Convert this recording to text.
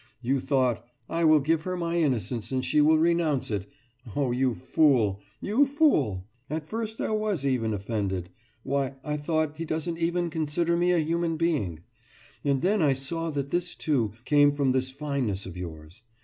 You thought: I will give her my innocence and she will renounce it. Oh, you fool! You fool! At first I was even offended. Why, I thought, he doesn't even consider me a human being! And then I saw that this, too, came from this fineness of yours.